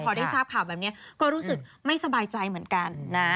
พอได้ทราบข่าวแบบนี้ก็รู้สึกไม่สบายใจเหมือนกันนะ